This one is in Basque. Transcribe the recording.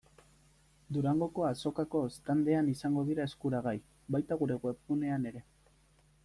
Durangoko Azokako standean izango dira eskuragai, baita gure webgunean ere.